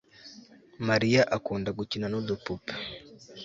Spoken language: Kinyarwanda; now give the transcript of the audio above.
mariya akunda gukina nudupupe